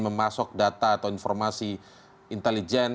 memasuk data atau informasi intelijen